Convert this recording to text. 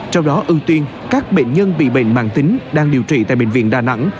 trong đó ưu tiên các bệnh nhân bị bệnh mạng tính đang điều trị tại bệnh viện đà nẵng